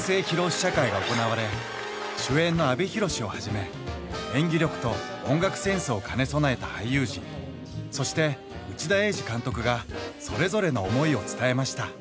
試写会が行われ主演の阿部寛をはじめ演技力と音楽センスを兼ね備えた俳優陣そして内田英治監督がそれぞれの思いを伝えました